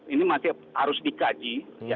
ini masih harus dikaji